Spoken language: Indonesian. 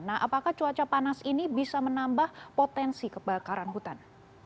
nah apakah cuaca panas ini bisa menambah potensi kebakaran hutan